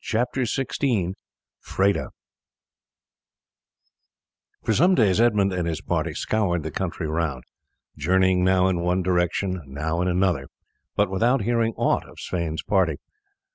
CHAPTER XVI: FREDA For some days Edmund and his party scoured the country round, journeying now in one direction, now in another, but without hearing ought of Sweyn's party.